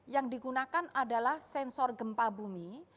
yang digunakan adalah sensor gempa bumi